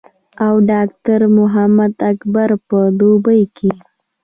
او ډاکټر محمد اکبر پۀ دوبۍ کښې